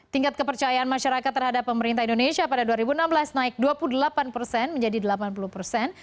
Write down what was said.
tingkat kepercayaan masyarakat terhadap pemerintah indonesia pada dua ribu enam belas naik dua puluh delapan persen menjadi delapan puluh persen